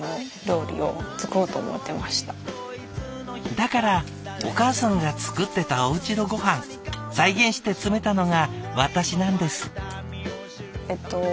「だからお母さんが作ってたおうちのごはん再現して詰めたのが私なんです」。